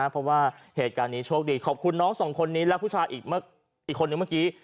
เพราะว่าเหตุการณ์นี้โชคดีขอบคุณน้องสองคนนี้และผู้ชายอีกคนนึงเมื่อกี้